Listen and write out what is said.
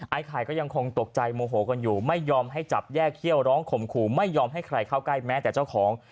ไข่ก็ยังคงตกใจโมโหกันอยู่ไม่ยอมให้จับแยกเขี้ยวร้องข่มขู่ไม่ยอมให้ใครเข้าใกล้แม้แต่เจ้าของ